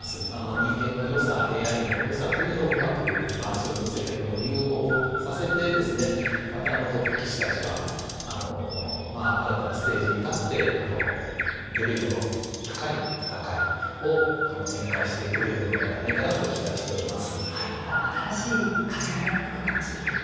人間のよさＡＩのよさというのをうまく将棋の世界でも融合させてまたトップ棋士たちは新たなステージに立ってレベルの高い戦いを展開してくれるのではないかなと期待しております。